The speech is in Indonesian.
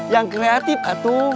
yang kreatif atu